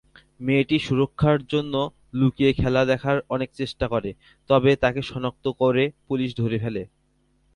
মেয়েটি সুরক্ষার জন্য লুকিয়ে খেলা দেখার অনেক চেষ্টা করে, তবে তাকে শনাক্ত করে পুলিশ ধরে ফেলে।